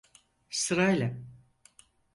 Sırayla.